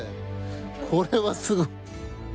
これはすごい。